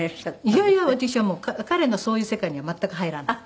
いやいや私はもう彼のそういう世界には全く入らない。